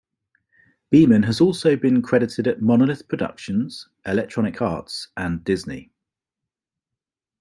Beeman has also been credited at Monolith Productions, Electronic Arts and Disney.